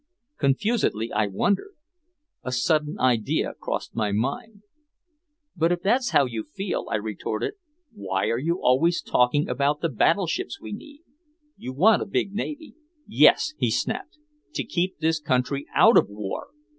Confusedly I wondered. A sudden idea crossed my mind. "But if that's how you feel," I retorted, "why are you always talking about the battleships we need? You want a big navy " "Yes," he snapped, "to keep this country out of war!